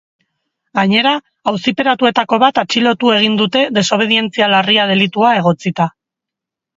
Gainera, auziperatuetako bat atxilotu egin dute desobedientzia larria delitua egotzita.